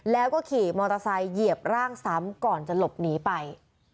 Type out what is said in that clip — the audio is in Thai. แล้วก็ขี่มอเตอร์ไซค์เหยียบร่างซ้ำก่อนจะหลบหนีไป